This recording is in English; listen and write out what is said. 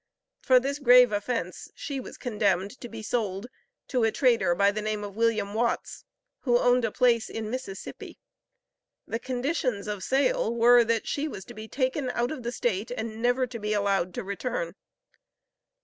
For this grave offence she was condemned to be sold to a trader by the name of William Watts, who owned a place in Mississippi. The conditions of sale were that she was to be taken out of the state and never to be allowed to return.